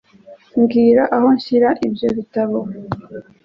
Mbwira aho nshyira ibyo bitabo.